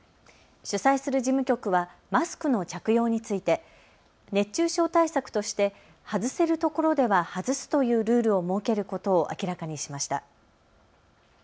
主催する事務局はマスクの着用について熱中症対策として外せるところでは外すというルールを設けることを明らかにしました。